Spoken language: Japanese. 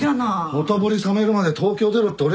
「ほとぼり冷めるまで東京出ろ」って俺が言ったんだ。